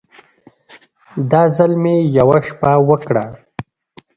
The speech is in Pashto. دا ځل مې يوه شپه وکړه.